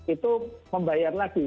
itu membayar lagi